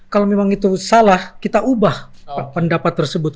kalau memang itu salah kita ubah pendapat tersebut